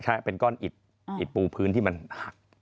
ใช่เป็นก้อนอิดอิดปูพื้นที่มันหัก